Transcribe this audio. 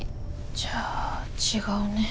じゃあ違うね。